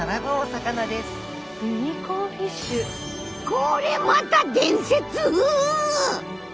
これまた伝説！